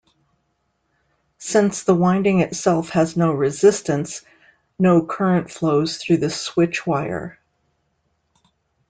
Since the winding itself has no resistance, no current flows through the switch wire.